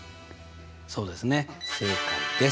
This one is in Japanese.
そうですね正解です。